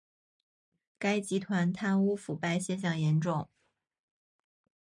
该集团贪污腐败现象严重。